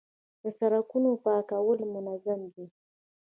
د سړکونو پاکول منظم دي؟